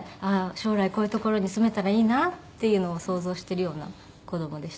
将来こういう所に住めたらいいなっていうのを想像してるような子どもでした。